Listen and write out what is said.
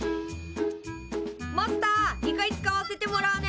・マスター２階使わせてもらうね。